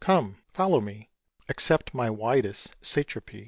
Come, follow me; Accept my widest satrapy.